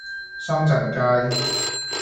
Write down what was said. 深圳街